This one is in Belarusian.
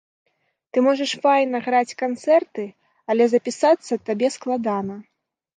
Ты можаш файна граць канцэрты, але запісацца табе складана.